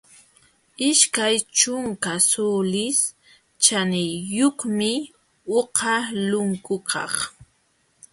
Ishkay ćhunka suulis ćhaniyuqmi uqa lunkukaq.